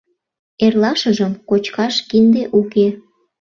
Эрлашыжым — кочкаш кинде уке.